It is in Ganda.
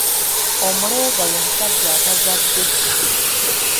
Omulega ye musajja atazadde